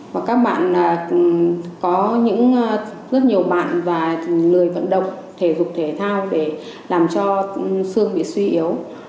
và các bạn có những rất nhiều bạn và lười vận động thể dục thể thao để làm cho xương bị suy yếu